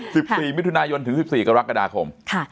สิบสี่มิถุนายนถึงสิบสี่กรกฎาคมค่ะ